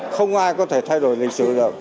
không ai có thể thay đổi lịch sử rồi